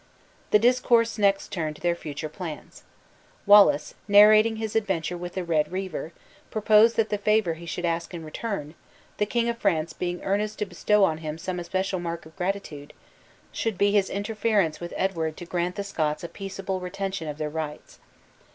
The discourse next turned to their future plans. Wallace, narrating his adventure with the Red Reaver, proposed that the favor he should ask in return (the King of France being earnest to bestow on him some especial mark of gratitude), should be his interference with Edward to grant the Scots a peaceable retention of their rights.